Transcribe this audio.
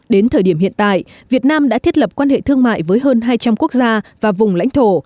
đến thời điểm hiện tại việt nam đã thiết lập quan hệ thương mại với hơn hai trăm linh quốc gia và vùng lãnh thổ